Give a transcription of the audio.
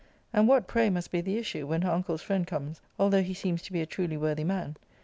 And what, pray, must be the issue, when her uncle's friend comes, although he seems to be a truly worthy man?